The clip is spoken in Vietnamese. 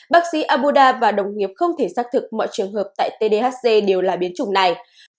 bác sĩ abuda và đồng nghiệp không thể xác thực mọi trường hợp tại tdhc đều là biến chủng này